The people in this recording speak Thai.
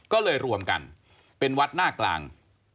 ก็เลยรวมกันเป็นวัดหน้ากลาง